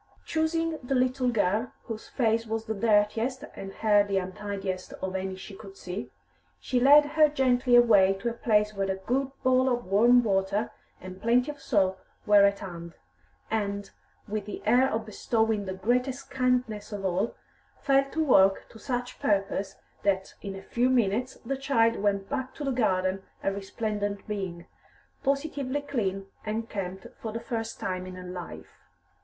Choosing the little girl whose face was the dirtiest and hair the untidiest of any she could see, she led her gently away to a place where a good bowl of warm water and plenty of soap were at hand, and, with the air of bestowing the greatest kindness of all, fell to work to such purpose that in a few minutes the child went back to the garden a resplendent being, positively clean and kempt for the first time in her life.